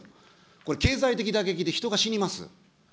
これ、経済的打撃で人が死にます。